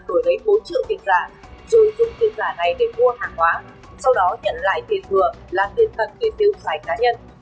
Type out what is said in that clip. đổi lấy bốn triệu tiền giả rồi dùng tiền giả này để mua hàng hóa sau đó nhận lại tiền thừa là tiền thật để tiêu xài cá nhân